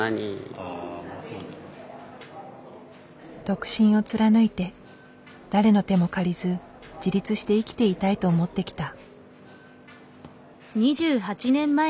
独身を貫いて誰の手も借りず自立して生きていたいと思ってきた。